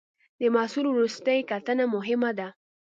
د محصول وروستۍ کتنه مهمه ده.